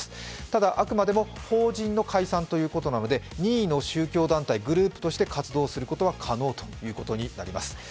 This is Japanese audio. ただ、あくまでも法人の解散ということなので任意の宗教団体、グループとして活動することは可能ということになります。